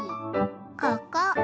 ここ。